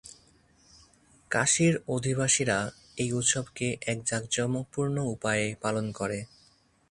কাশীর অধিবাসীরা এই উৎসবকে এক জাঁকজমকপূর্ণ উপায়ে পালন করে।